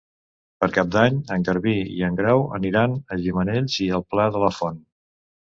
Per Cap d'Any en Garbí i en Grau aniran a Gimenells i el Pla de la Font.